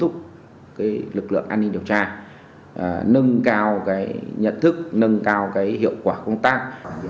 cái lực lượng an ninh điều tra nâng cao cái nhận thức nâng cao cái hiệu quả công tác